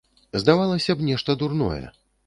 Здавалася б, нешта дурное.